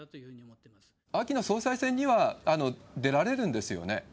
秋の総裁選には出られるんですよね？